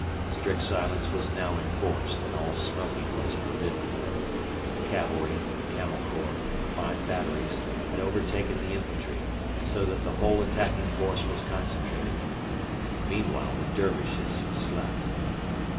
Strict silence was now enforced, and all smoking was forbidden. The cavalry, the Camel Corps, and the five batteries had overtaken the infantry, so that the whole attacking force was concentrated. Meanwhile the Dervishes slept.